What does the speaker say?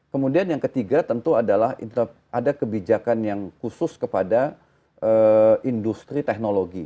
kemudian yang ketiga tentu adalah ada kebijakan yang khusus kepada industri teknologi